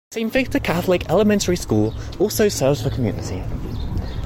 Saint Victor Catholic elementary school also serves the community.